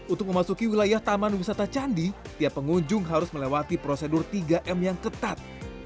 untuk memasuki wilayah taman wisata candi tiap pengunjung harus melewati prosedur tiga m yang ketat